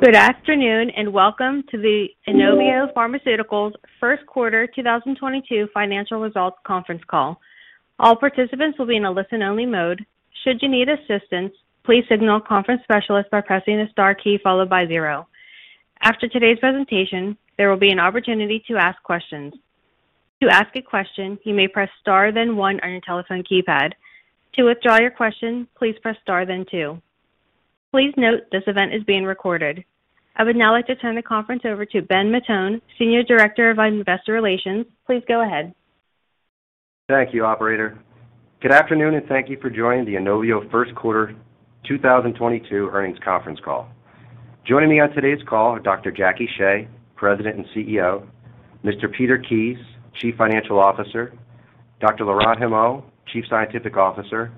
Good afternoon, and welcome to the Inovio Pharmaceuticals first quarter 2022 Financial Results Conference Call. All participants will be in a listen-only mode. Should you need assistance, please signal conference specialist by pressing the star key followed by zero. After today's presentation, there will be an opportunity to ask questions. To ask a question, you may press star then one on your telephone keypad. To withdraw your question, please press star then two. Please note this event is being recorded. I would now like to turn the conference over to Ben Matone, Senior Director of Investor Relations. Please go ahead. Thank you, operator. Good afternoon, and thank you for joining the Inovio first quarter 2022 earnings conference call. Joining me on today's call are Dr. Jackie Shea, President and CEO, Mr. Peter Kies, Chief Financial Officer, Dr. Laurent Humeau, Chief Scientific Officer,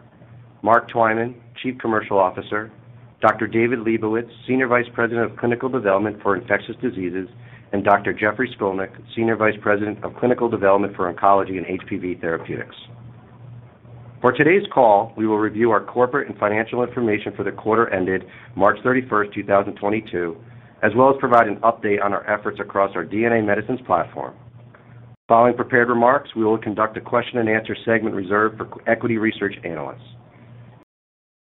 Mark Twyman, Chief Commercial Officer, Dr. David Liebowitz, Senior Vice President of Clinical Development for Infectious Diseases, and Dr. Jeffrey Skolnik, Senior Vice President of Clinical Development for Oncology and HPV Therapeutics. For today's call, we will review our corporate and financial information for the quarter ended March 31, 2022, as well as provide an update on our efforts across our DNA medicines platform. Following prepared remarks, we will conduct a question and answer segment reserved for equity research analysts.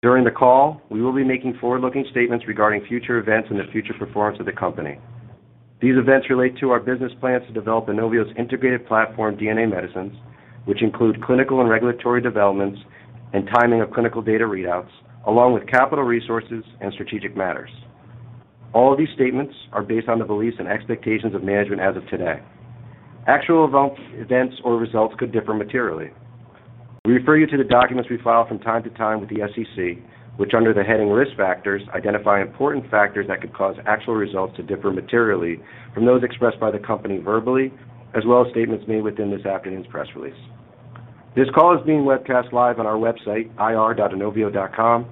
During the call, we will be making forward-looking statements regarding future events and the future performance of the company. These events relate to our business plans to develop Inovio's integrated platform DNA medicines, which include clinical and regulatory developments and timing of clinical data readouts, along with capital resources and strategic matters. All of these statements are based on the beliefs and expectations of management as of today. Actual events or results could differ materially. We refer you to the documents we file from time to time with the SEC, which, under the heading Risk Factors, identify important factors that could cause actual results to differ materially from those expressed by the company verbally, as well as statements made within this afternoon's press release. This call is being webcast live on our website, ir.inovio.com,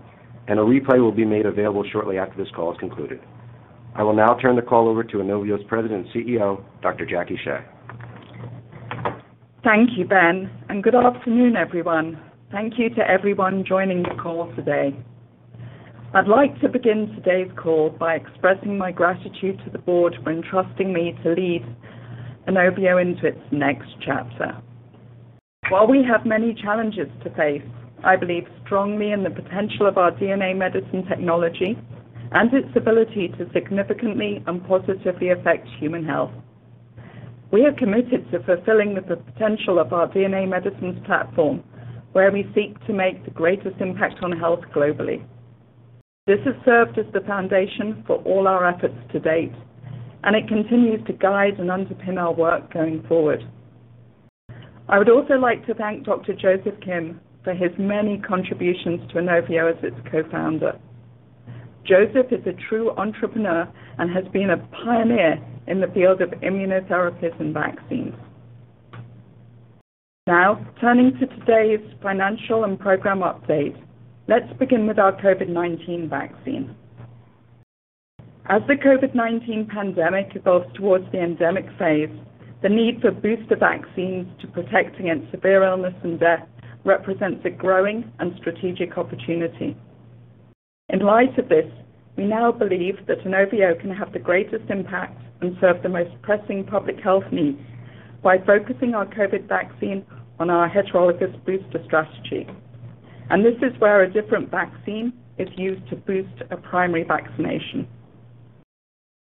and a replay will be made available shortly after this call is concluded. I will now turn the call over to Inovio's President and CEO, Dr. Jackie Shea. Thank you, Ben, and good afternoon, everyone. Thank you to everyone joining the call today. I'd like to begin today's call by expressing my gratitude to the board for entrusting me to lead Inovio into its next chapter. While we have many challenges to face, I believe strongly in the potential of our DNA medicine technology and its ability to significantly and positively affect human health. We are committed to fulfilling the potential of our DNA medicines platform, where we seek to make the greatest impact on health globally. This has served as the foundation for all our efforts to date, and it continues to guide and underpin our work going forward. I would also like to thank Dr. Joseph Kim for his many contributions to Inovio as its co-founder. Joseph is a true entrepreneur and has been a pioneer in the field of immunotherapies and vaccines. Now, turning to today's financial and program update, let's begin with our COVID-19 vaccine. As the COVID-19 pandemic evolves towards the endemic phase, the need for booster vaccines to protect against severe illness and death represents a growing and strategic opportunity. In light of this, we now believe that Inovio can have the greatest impact and serve the most pressing public health needs by focusing our COVID vaccine on our heterologous booster strategy. This is where a different vaccine is used to boost a primary vaccination.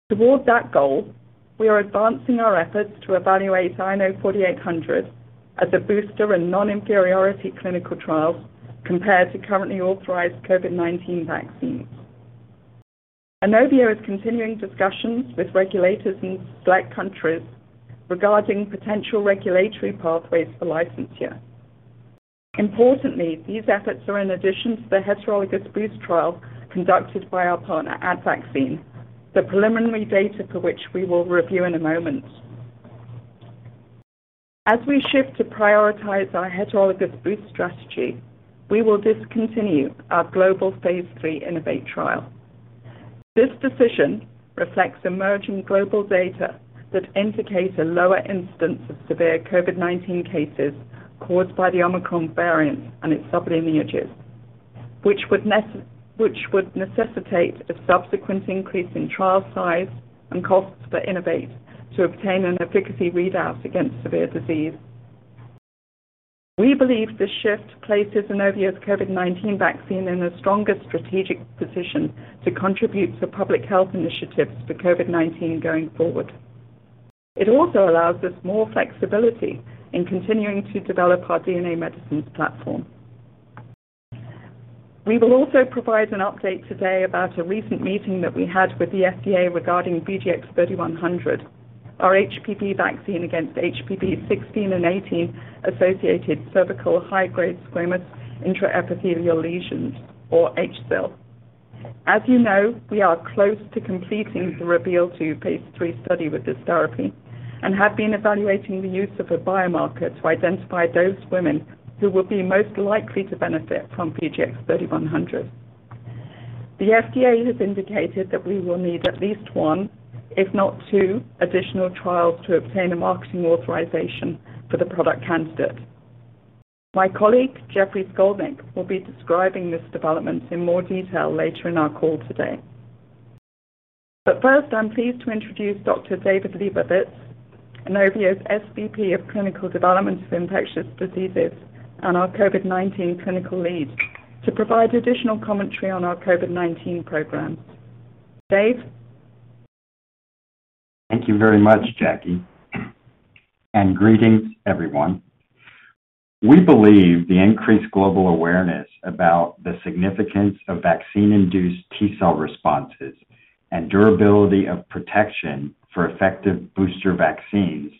Toward that goal, we are advancing our efforts to evaluate INO-4800 as a booster in non-inferiority clinical trials compared to currently authorized COVID-19 vaccines. Inovio is continuing discussions with regulators in select countries regarding potential regulatory pathways for licensure. Importantly, these efforts are in addition to the heterologous boost trial conducted by our partner, Advaccine, the preliminary data for which we will review in a moment. As we shift to prioritize our heterologous boost strategy, we will discontinue our global phase III INNOVATE trial. This decision reflects emerging global data that indicates a lower incidence of severe COVID-19 cases caused by the Omicron variant and its sublineages, which would necessitate a subsequent increase in trial size and costs for INNOVATE to obtain an efficacy readout against severe disease. We believe this shift places Inovio's COVID-19 vaccine in the strongest strategic position to contribute to public health initiatives for COVID-19 going forward. It also allows us more flexibility in continuing to develop our DNA medicines platform. We will also provide an update today about a recent meeting that we had with the FDA regarding VGX-3100, our HPV vaccine against HPV-16 and 18 associated cervical high-grade squamous intraepithelial lesions or HSIL. As you know, we are close to completing the REVEAL2 phase III study with this therapy and have been evaluating the use of a biomarker to identify those women who will be most likely to benefit from VGX-3100. The FDA has indicated that we will need at least one, if not two additional trials to obtain a marketing authorization for the product candidate. My colleague Jeffrey Skolnik will be describing this development in more detail later in our call today. First, I'm pleased to introduce Dr. David Liebowitz, Inovio's SVP of Clinical Development for Infectious Diseases and our COVID-19 clinical lead, to provide additional commentary on our COVID-19 programs. Dave? Thank you very much, Jackie, and greetings, everyone. We believe the increased global awareness about the significance of vaccine-induced T-cell responses and durability of protection for effective booster vaccines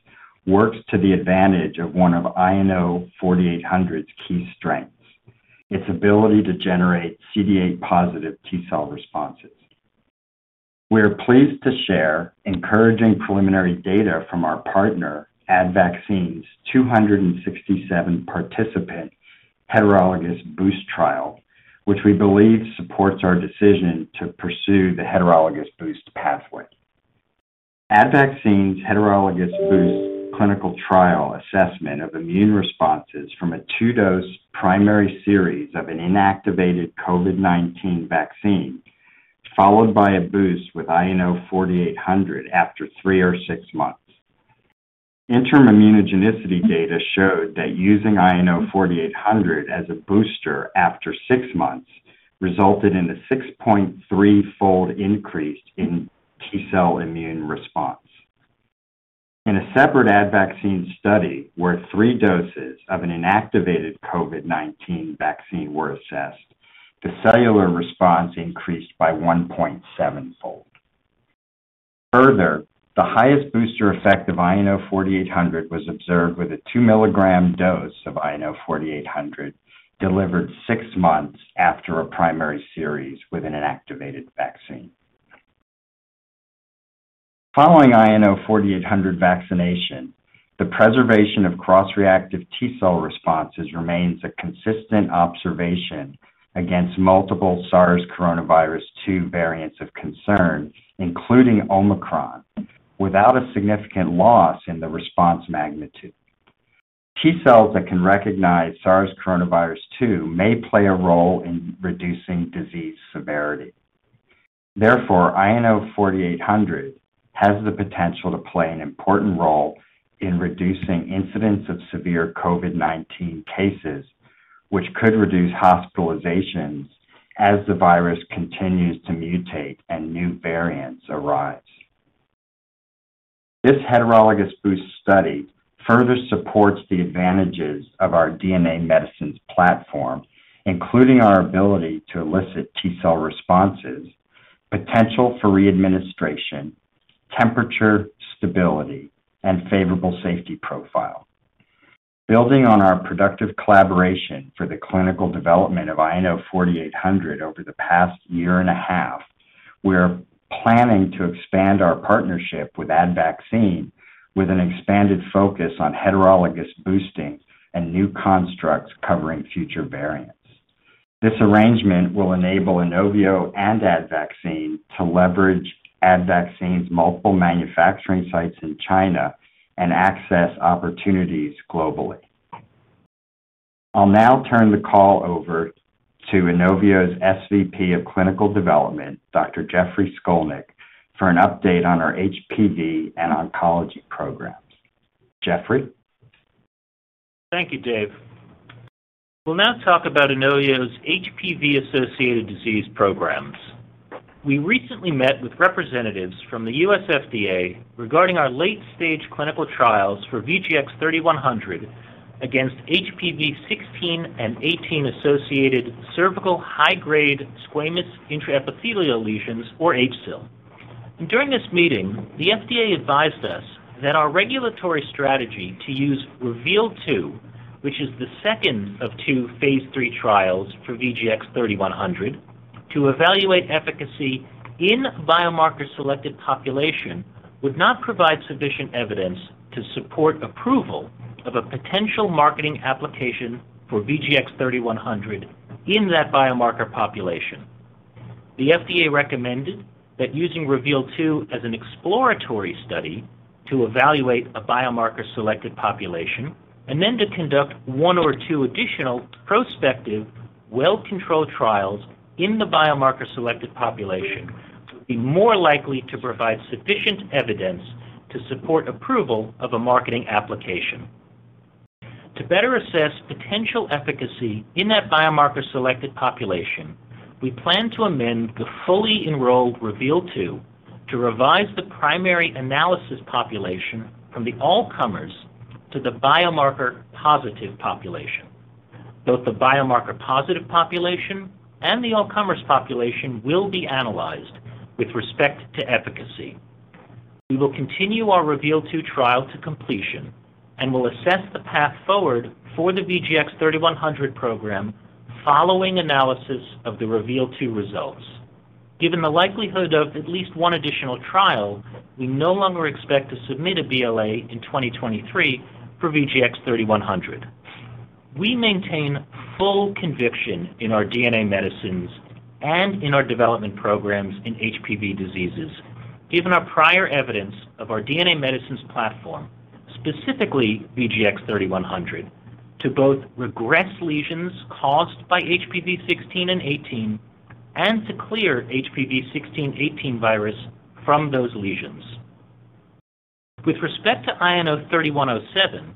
works to the advantage of one of INO-4800's key strengths, its ability to generate CD8-positive T-cell responses. We are pleased to share encouraging preliminary data from our partner Advaccine's 267-participant heterologous boost trial, which we believe supports our decision to pursue the heterologous boost pathway. Advaccine's heterologous boost clinical trial assessment of immune responses from a two-dose primary series of an inactivated COVID-19 vaccine, followed by a boost with INO-4800 after three or six months. Interim immunogenicity data showed that using INO-4800 as a booster after six months resulted in a 6.3-fold increase in T-cell immune response. In a separate Advaccine study where three doses of an inactivated COVID-19 vaccine were assessed, the cellular response increased by 1.7-fold. Further, the highest booster effect of INO-4800 was observed with a 2 mg dose of INO-4800 delivered six months after a primary series with an inactivated vaccine. Following INO-4800 vaccination, the preservation of cross-reactive T-cell responses remains a consistent observation against multiple SARS-CoV-2 variants of concern, including Omicron, without a significant loss in the response magnitude. T-cells that can recognize SARS-CoV-2 may play a role in reducing disease severity. Therefore, INO-4800 has the potential to play an important role in reducing incidence of severe COVID-19 cases, which could reduce hospitalizations as the virus continues to mutate and new variants arise. This heterologous boost study further supports the advantages of our DNA medicines platform, including our ability to elicit T-cell responses, potential for re-administration, temperature stability, and favorable safety profile. Building on our productive collaboration for the clinical development of INO-4800 over the past year and a half, we're planning to expand our partnership with Advaccine with an expanded focus on heterologous boosting and new constructs covering future variants. This arrangement will enable Inovio and Advaccine to leverage Advaccine's multiple manufacturing sites in China and access opportunities globally. I'll now turn the call over to Inovio's SVP of Clinical Development, Dr. Jeffrey Skolnik, for an update on our HPV and oncology programs. Jeffrey? Thank you, Dave. We'll now talk about Inovio's HPV-associated disease programs. We recently met with representatives from the U.S. FDA regarding our late-stage clinical trials for VGX-3100 against HPV 16 and 18 associated cervical high-grade squamous intraepithelial lesions, or HSIL. During this meeting, the FDA advised us that our regulatory strategy to use REVEAL2, which is the second of two phase III trials for VGX-3100, to evaluate efficacy in biomarker-selected population would not provide sufficient evidence to support approval of a potential marketing application for VGX-3100 in that biomarker population. The FDA recommended that using REVEAL2 as an exploratory study to evaluate a biomarker-selected population and then to conduct one or two additional prospective, well-controlled trials in the biomarker-selected population would be more likely to provide sufficient evidence to support approval of a marketing application. To better assess potential efficacy in that biomarker-selected population, we plan to amend the fully enrolled REVEAL2 to revise the primary analysis population from the all-comers to the biomarker-positive population. Both the biomarker-positive population and the all-comers population will be analyzed with respect to efficacy. We will continue our REVEAL2 trial to completion and will assess the path forward for the VGX-3100 program following analysis of the REVEAL2 results. Given the likelihood of at least one additional trial, we no longer expect to submit a BLA in 2023 for VGX-3100. We maintain full conviction in our DNA medicines and in our development programs in HPV diseases. Given our prior evidence of our DNA medicines platform, specifically VGX-3100, to both regress lesions caused by HPV-16 and 18 and to clear HPV-16 and 18 virus from those lesions. With respect to INO-3107,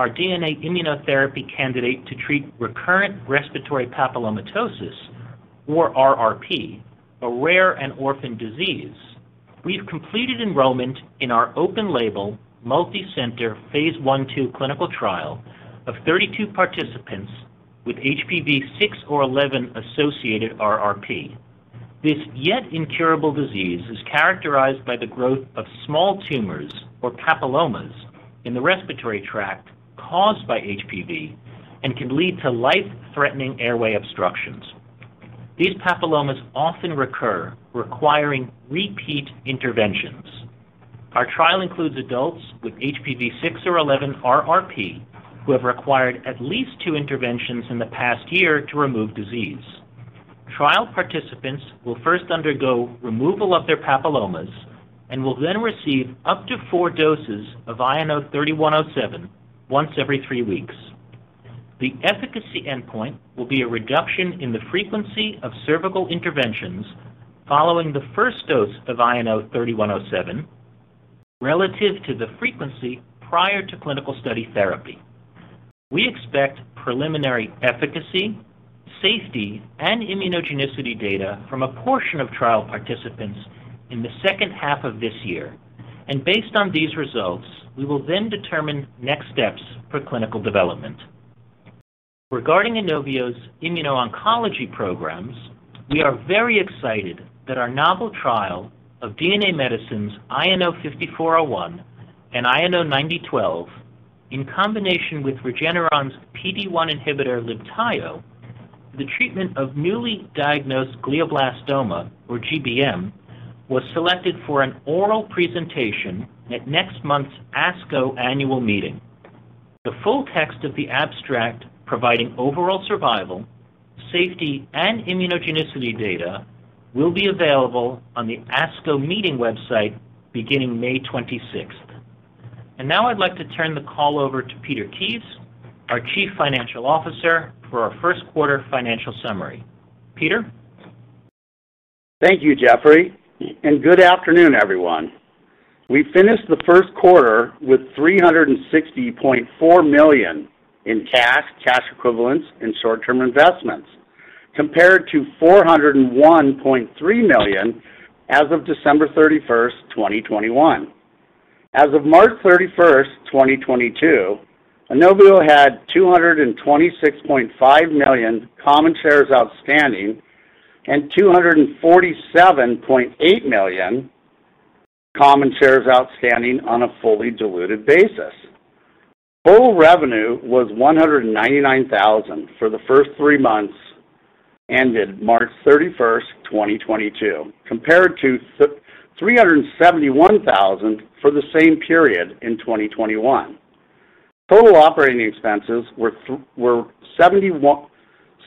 our DNA immunotherapy candidate to treat recurrent respiratory papillomatosis, or RRP, a rare and orphan disease, we've completed enrollment in our open-label multicenter phase I/II clinical trial of 32 participants with HPV-6 or 11-associated RRP. This yet incurable disease is characterized by the growth of small tumors or papillomas in the respiratory tract caused by HPV and can lead to life-threatening airway obstructions. These papillomas often recur, requiring repeat interventions. Our trial includes adults with HPV-6 or 11 RRP who have required at least two interventions in the past year to remove disease. Trial participants will first undergo removal of their papillomas and will then receive up to four doses of INO-3107 once every three weeks. The efficacy endpoint will be a reduction in the frequency of cervical interventions following the first dose of INO-3107 relative to the frequency prior to clinical study therapy. We expect preliminary efficacy, safety, and immunogenicity data from a portion of trial participants in the second half of this year, and based on these results, we will then determine next steps for clinical development. Regarding Inovio's immuno-oncology programs, we are very excited that our novel trial of DNA medicines INO-5401 and INO-9012 in combination with Regeneron's PD-1 inhibitor Libtayo for the treatment of newly diagnosed glioblastoma, or GBM, was selected for an oral presentation at next month's ASCO annual meeting. The full text of the abstract providing overall survival, safety, and immunogenicity data will be available on the ASCO meeting website beginning May 26th. Now I'd like to turn the call over to Peter Kies, our Chief Financial Officer, for our first quarter financial summary. Peter? Thank you, Jeffrey, and good afternoon, everyone. We finished the first quarter with $360.4 million in cash equivalents, and short-term investments, compared to $401.3 million as of December 31, 2021. As of March 31, 2022, Inovio had $226.5 million common shares outstanding and $247.8 million common shares outstanding on a fully diluted basis. Total revenue was $199,000 for the first three months ended March 31, 2022, compared to $371,000 for the same period in 2021. Total operating expenses were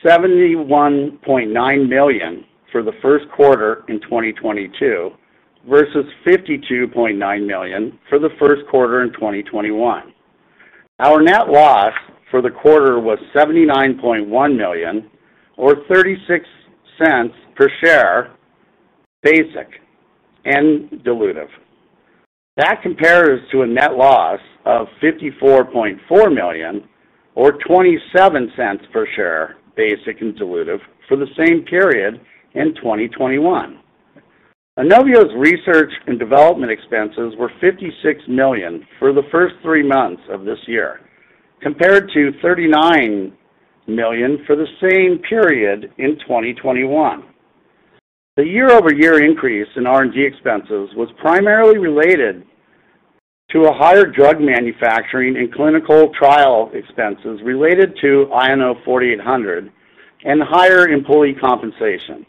$71.9 Million for the first quarter in 2022 versus $52.9 million for the first quarter in 2021. Our net loss for the quarter was $79.1 million or $0.36 per share basic and diluted. That compares to a net loss of $54.4 million or $0.27 per share basic and diluted for the same period in 2021. Inovio's research and development expenses were $56 million for the first three months of this year, compared to $39 million for the same period in 2021. The year-over-year increase in R&D expenses was primarily related to higher drug manufacturing and clinical trial expenses related to INO-4800 and higher employee compensation.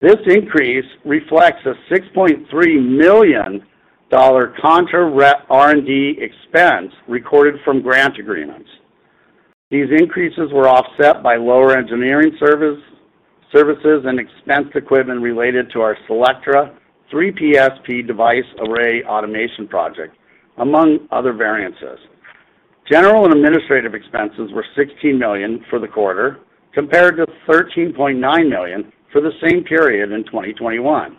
This increase reflects a $6.3 million contra R&D expense recorded from grant agreements. These increases were offset by lower engineering services and expensed equipment related to our CELLECTRA 3PSP device array automation project, among other variances. General and administrative expenses were $16 million for the quarter, compared to $13.9 million for the same period in 2021.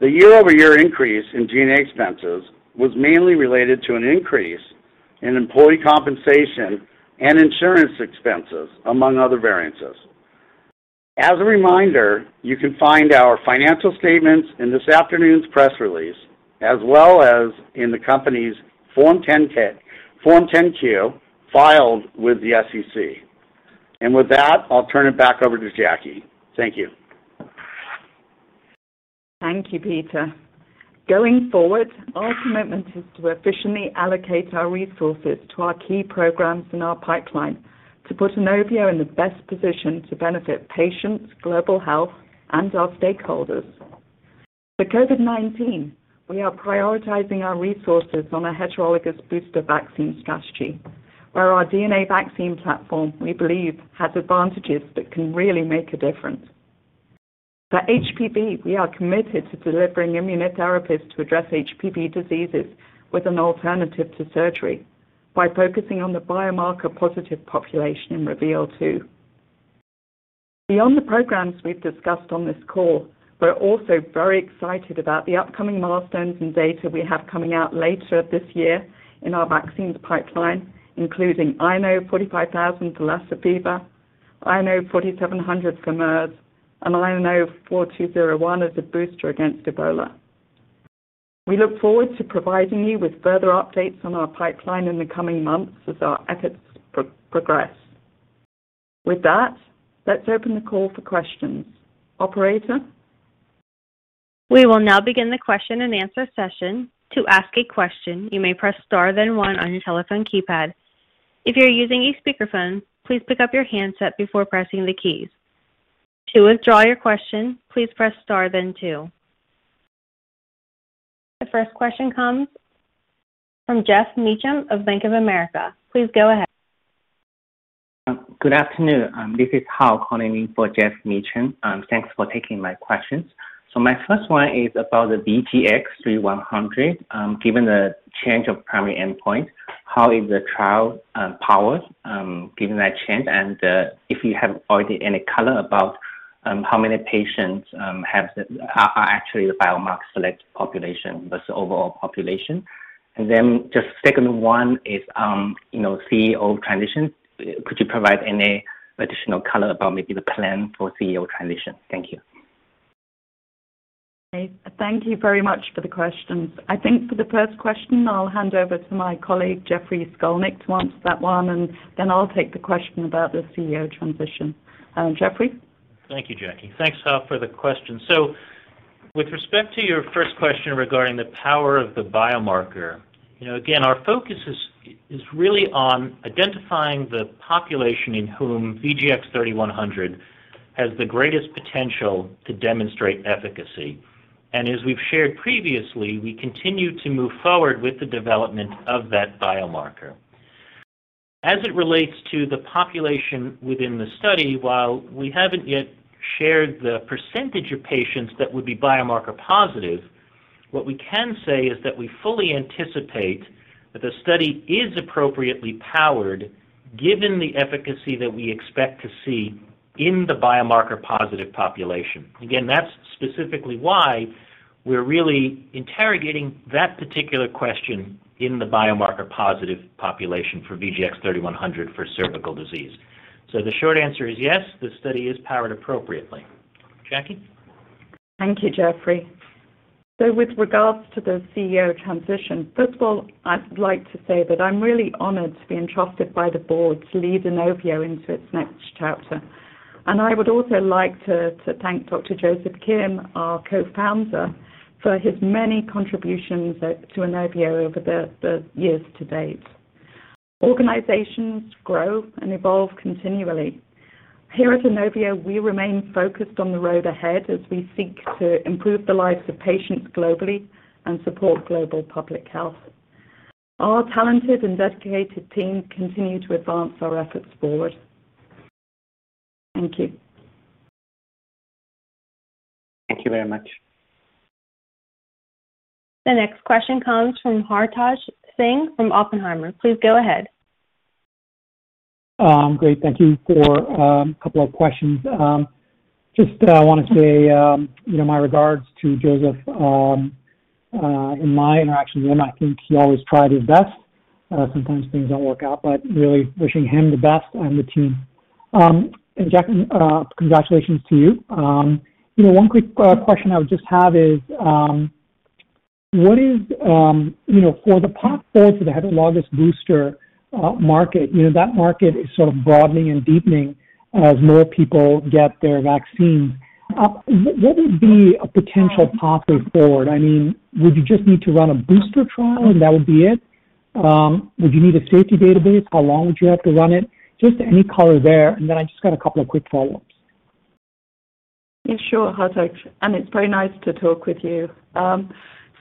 The year-over-year increase in G&A expenses was mainly related to an increase in employee compensation and insurance expenses, among other variances. As a reminder, you can find our financial statements in this afternoon's press release, as well as in the company's Form 10-Q filed with the SEC. With that, I'll turn it back over to Jackie. Thank you. Thank you, Peter. Going forward, our commitment is to efficiently allocate our resources to our key programs in our pipeline to put Inovio in the best position to benefit patients, global health, and our stakeholders. For COVID-19, we are prioritizing our resources on a heterologous booster vaccine strategy. Where our DNA vaccine platform, we believe, has advantages that can really make a difference. For HPV, we are committed to delivering immunotherapies to address HPV diseases with an alternative to surgery by focusing on the biomarker-positive population in REVEAL2. Beyond the programs we've discussed on this call, we're also very excited about the upcoming milestones and data we have coming out later this year in our vaccines pipeline, including INO-4500 for Lassa fever, INO-4700 for MERS, and INO-4201 as a booster against Ebola. We look forward to providing you with further updates on our pipeline in the coming months as our efforts progress. With that, let's open the call for questions. Operator? We will now begin the question-and-answer session. To ask a question, you may press star then one on your telephone keypad. If you're using a speakerphone, please pick up your handset before pressing the keys. To withdraw your question, please press star then two. The first question comes from Geoff Meacham of Bank of America. Please go ahead. Good afternoon. This is Hao calling in for Geoff Meacham. Thanks for taking my questions. My first one is about the VGX-3100. Given the change of primary endpoint, how is the trial powered, given that change? And, if you have already any color about, how many patients are actually the biomarker select population versus overall population? And then just second one is, you know, CEO transition. Could you provide any additional color about maybe the plan for CEO transition? Thank you. Thank you very much for the questions. I think for the first question, I'll hand over to my colleague, Jeffrey Skolnik, to answer that one, and then I'll take the question about the CEO transition. Jeffrey? Thank you, Jackie. Thanks, Hao, for the question. With respect to your first question regarding the power of the biomarker, you know, again, our focus is really on identifying the population in whom VGX-3100 has the greatest potential to demonstrate efficacy. As we've shared previously, we continue to move forward with the development of that biomarker. As it relates to the population within the study, while we haven't yet shared the percentage of patients that would be biomarker positive, what we can say is that we fully anticipate that the study is appropriately powered given the efficacy that we expect to see in the biomarker-positive population. Again, that's specifically why we're really interrogating that particular question in the biomarker-positive population for VGX-3100 for cervical disease. The short answer is yes, the study is powered appropriately. Jackie? Thank you, Jeffrey. With regards to the CEO transition, first of all, I'd like to say that I'm really honored to be entrusted by the board to lead Inovio into its next chapter. I would also like to thank Dr. Joseph Kim, our co-founder, for his many contributions to Inovio over the years to date. Organizations grow and evolve continually. Here at Inovio, we remain focused on the road ahead as we seek to improve the lives of patients globally and support global public health. Our talented and dedicated team continue to advance our efforts forward. Thank you. Thank you very much. The next question comes from Hartaj Singh from Oppenheimer. Please go ahead. Great. Thank you for a couple of questions. Just wanna say, you know, my regards to Joseph. In my interaction with him, I think he always tried his best. Sometimes things don't work out, but really wishing him the best and the team. Jackie, congratulations to you. You know, one quick question I would just have is, you know, for the path forward for the heterologous booster market, you know, that market is sort of broadening and deepening as more people get their vaccines. What would be a potential pathway forward? I mean, would you just need to run a booster trial, and that would be it? Would you need a safety database? How long would you have to run it? Just any color there, and then I just got a couple of quick follow-ups. Yeah, sure, Hartaj. It's very nice to talk with you.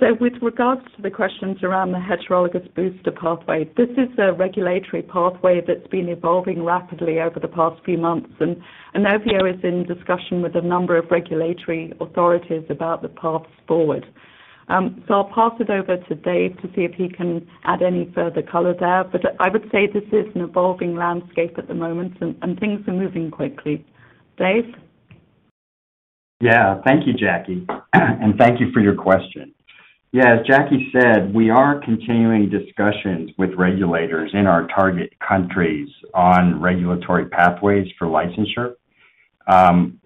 With regards to the questions around the heterologous booster pathway, this is a regulatory pathway that's been evolving rapidly over the past few months, and Inovio is in discussion with a number of regulatory authorities about the paths forward. I'll pass it over to Dave to see if he can add any further color there. I would say this is an evolving landscape at the moment, and things are moving quickly. Dave? Yeah. Thank you, Jackie, and thank you for your question. Yeah, as Jackie said, we are continuing discussions with regulators in our target countries on regulatory pathways for licensure.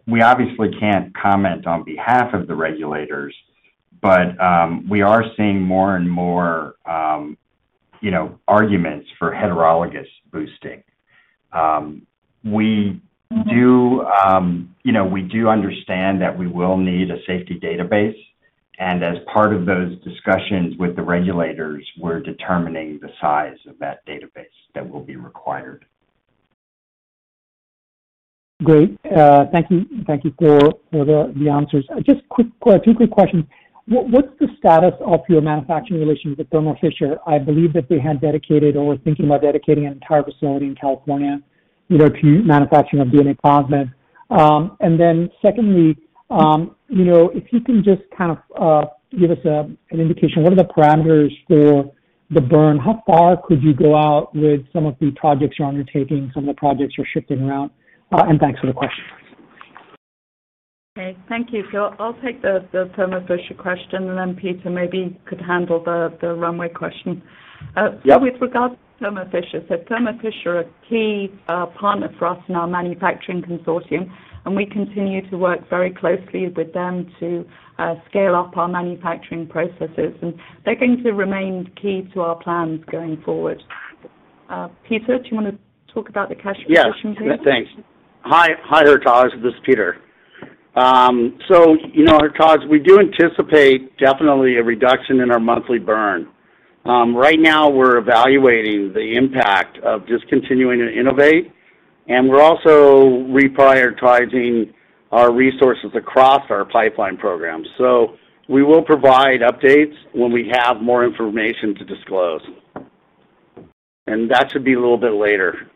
We obviously can't comment on behalf of the regulators, but we are seeing more and more, you know, arguments for heterologous boosting. Mm-hmm. You know, we do understand that we will need a safety database, and as part of those discussions with the regulators, we're determining the size of that database that will be required. Great. Thank you for the answers. Just two quick questions. What's the status of your manufacturing relationship with Thermo Fisher? I believe that they had dedicated or were thinking about dedicating an entire facility in California, you know, to manufacturing of DNA plasmids. And then secondly, you know, if you can just kind of give us an indication, what are the parameters for the burn? How far could you go out with some of the projects you're undertaking, some of the projects you're shifting around? And thanks for the question. Okay. Thank you. I'll take the Thermo Fisher question, and then Peter maybe could handle the runway question. Yeah. With regards to Thermo Fisher. Thermo Fisher are a key partner for us in our manufacturing consortium, and we continue to work very closely with them to scale up our manufacturing processes, and they're going to remain key to our plans going forward. Peter, do you wanna talk about the cash position please? Yes. Thanks. Hi, Hartaj. This is Peter. You know, Hartaj, we do anticipate definitely a reduction in our monthly burn. Right now we're evaluating the impact of discontinuing INNOVATE, and we're also reprioritizing our resources across our pipeline program. We will provide updates when we have more information to disclose. That should be a little bit later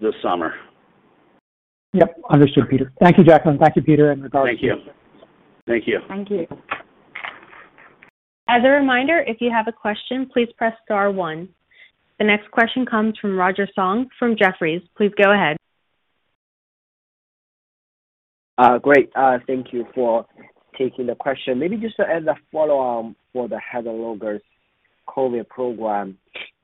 this summer. Yep. Understood, Peter. Thank you, Jackie. Thank you, Peter. Thank you. Thank you. Thank you. As a reminder, if you have a question, please press star one. The next question comes from Roger Song from Jefferies. Please go ahead. Great. Thank you for taking the question. Maybe just as a follow-on for the heterologous COVID program.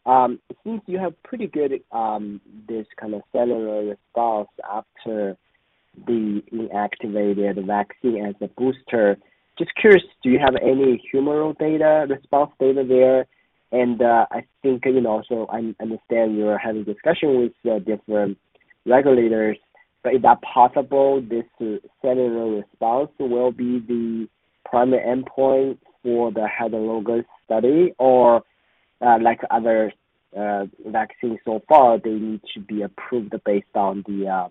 It seems you have pretty good this kind of cellular response after the inactivated vaccine as a booster. Just curious, do you have any humoral data, response data there? I think, you know, so I understand you're having discussion with the different regulators, but is that possible this cellular response will be the primary endpoint for the heterologous study or, like other vaccines so far, they need to be approved based on the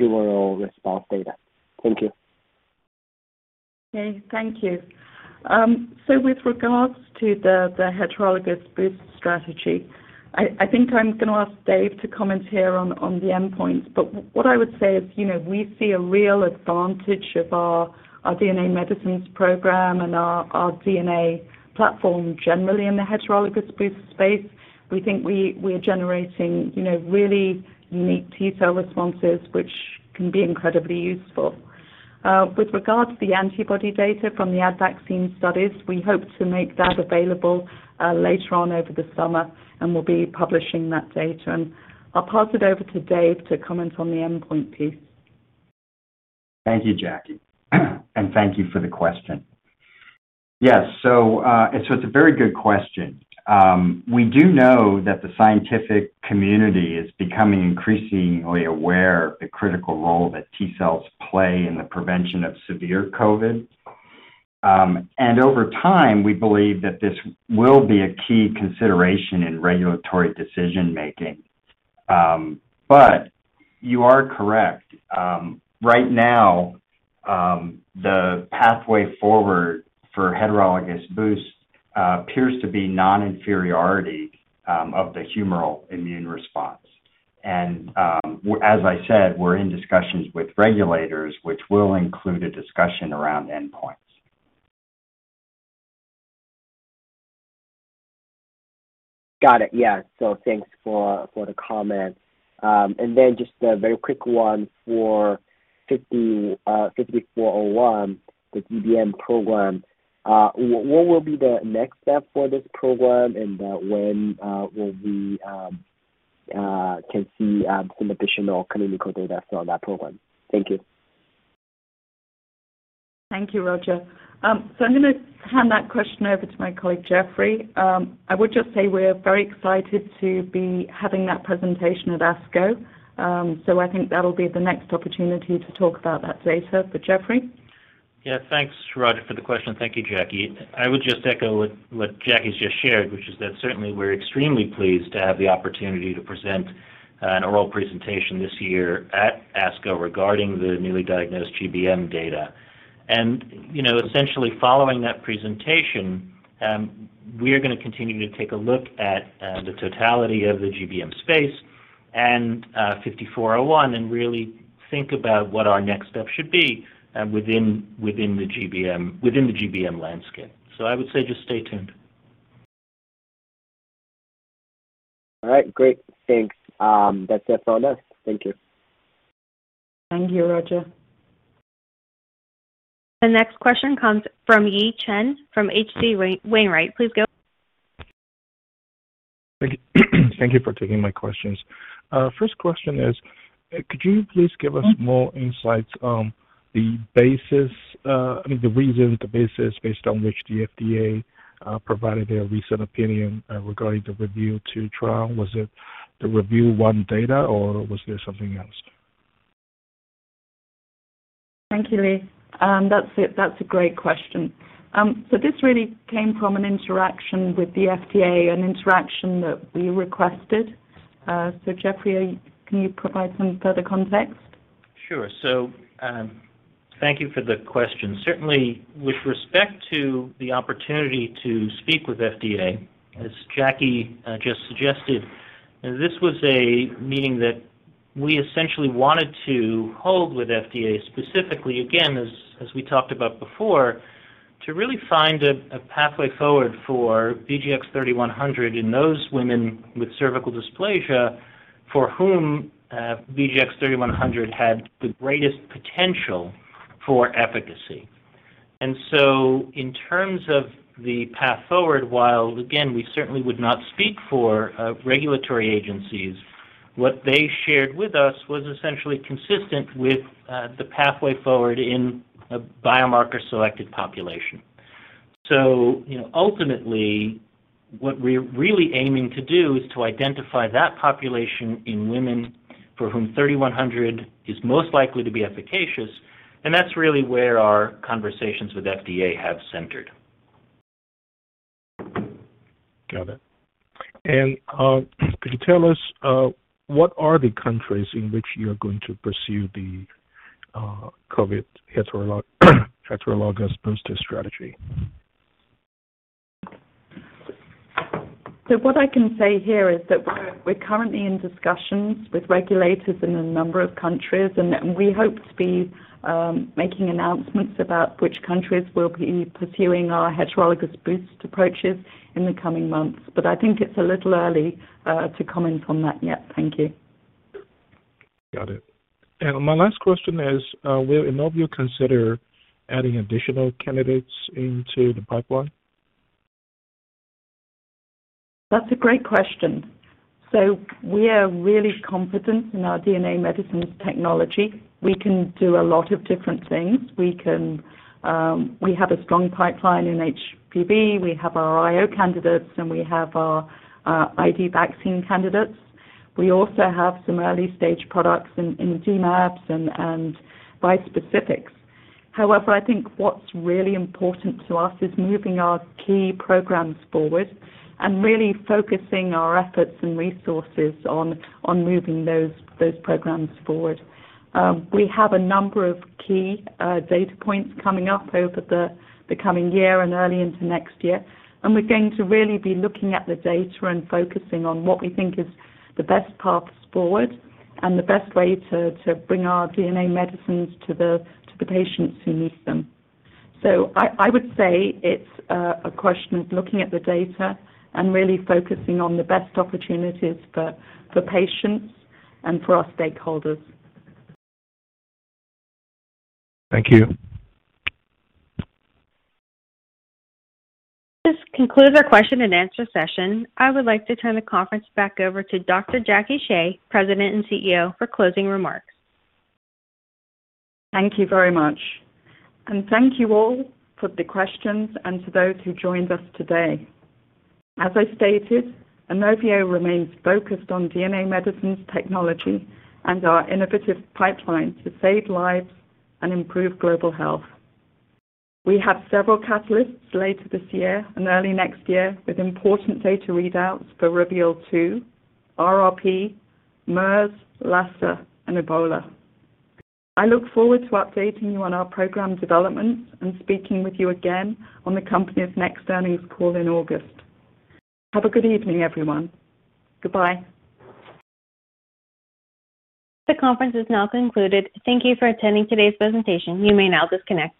humoral response data? Thank you. Okay. Thank you. With regards to the heterologous boost strategy, I think I'm gonna ask Dave to comment here on the endpoints. What I would say is, you know, we see a real advantage of our DNA medicines program and our DNA platform generally in the heterologous boost space. We think we are generating, you know, really unique T-cell responses, which can be incredibly useful. With regards to the antibody data from the Advaccine studies, we hope to make that available later on over the summer, and we'll be publishing that data. I'll pass it over to Dave to comment on the endpoint piece. Thank you, Jackie, and thank you for the question. Yes. It's a very good question. We do know that the scientific community is becoming increasingly aware of the critical role that T-cells play in the prevention of severe COVID. Over time, we believe that this will be a key consideration in regulatory decision-making. You are correct. Right now, the pathway forward for heterologous boost appears to be non-inferiority of the humoral immune response. As I said, we're in discussions with regulators which will include a discussion around endpoints. Got it. Yeah. Thanks for the comment. Just a very quick one for INO-5401, the GBM program. What will be the next step for this program and when can we see some additional clinical data for that program? Thank you. Thank you, Roger. I'm gonna hand that question over to my colleague, Jeffrey. I would just say we're very excited to be having that presentation at ASCO. I think that'll be the next opportunity to talk about that data. Jeffrey? Yeah. Thanks, Roger, for the question. Thank you, Jackie. I would just echo what Jackie's just shared, which is that certainly we're extremely pleased to have the opportunity to present an oral presentation this year at ASCO regarding the newly diagnosed GBM data. You know, essentially following that presentation, we are gonna continue to take a look at the totality of the GBM space and INO-5401 and really think about what our next step should be within the GBM landscape. I would say just stay tuned. All right. Great. Thanks. That's just all done. Thank you. Thank you, Roger. The next question comes from Yi Chen from H.C. Wainwright. Please go ahead. Thank you for taking my questions. First question is, could you please give us more insights on the basis, I mean, the reason, the basis based on which the FDA provided their recent opinion regarding the REVEAL2 trial? Was it the REVEAL1 data, or was there something else? Thank you, Yi Chen. That's a great question. This really came from an interaction with the FDA, an interaction that we requested. Jeffrey, can you provide some further context? Sure. Thank you for the question. Certainly with respect to the opportunity to speak with FDA, as Jackie just suggested, this was a meeting that we essentially wanted to hold with FDA specifically, again, as we talked about before, to really find a pathway forward for VGX-3100 in those women with cervical dysplasia for whom VGX-3100 had the greatest potential for efficacy. In terms of the path forward, while again, we certainly would not speak for regulatory agencies, what they shared with us was essentially consistent with the pathway forward in a biomarker selected population. You know, ultimately, what we're really aiming to do is to identify that population in women for whom VGX-3100 is most likely to be efficacious, and that's really where our conversations with FDA have centered. Got it. Could you tell us what are the countries in which you're going to pursue the COVID heterologous booster strategy? What I can say here is that we're currently in discussions with regulators in a number of countries, and we hope to be making announcements about which countries we'll be pursuing our heterologous boost approaches in the coming months. I think it's a little early to comment on that yet. Thank you. Got it. My last question is, will Inovio consider adding additional candidates into the pipeline? That's a great question. We are really competent in our DNA medicines technology. We can do a lot of different things. We have a strong pipeline in HPV. We have our IO candidates, and we have our ID vaccine candidates. We also have some early-stage products in dMAbs and bispecifics. However, I think what's really important to us is moving our key programs forward and really focusing our efforts and resources on moving those programs forward. We have a number of key data points coming up over the coming year and early into next year, and we're going to really be looking at the data and focusing on what we think is the best path forward and the best way to bring our DNA medicines to the patients who need them. I would say it's a question of looking at the data and really focusing on the best opportunities for patients and for our stakeholders. Thank you. This concludes our question and answer session. I would like to turn the conference back over to Dr. Jackie Shea, President and CEO, for closing remarks. Thank you very much. Thank you all for the questions and to those who joined us today. As I stated, Inovio remains focused on DNA medicines technology and our innovative pipeline to save lives and improve global health. We have several catalysts later this year and early next year with important data readouts for REVEAL2, RRP, MERS, Lassa, and Ebola. I look forward to updating you on our program developments and speaking with you again on the company's next earnings call in August. Have a good evening, everyone. Goodbye. The conference is now concluded. Thank you for attending today's presentation. You may now disconnect.